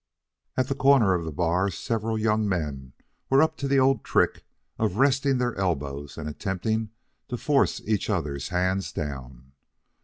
At the corner of the bar several young men were up to the old trick of resting their elbows and attempting to force each other's hands down.